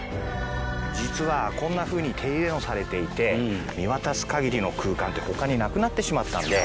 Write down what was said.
実はこんなふうに手入れをされていて見渡す限りの空間って他になくなってしまったんで。